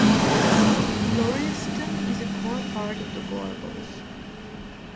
Laurieston is a core part of the Gorbals.